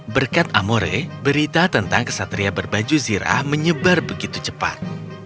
berkat amore berita tentang kesatria berbaju zirah menyebar begitu cepat